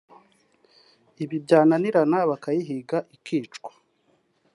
ibi byananirana bakayihiga ikicwa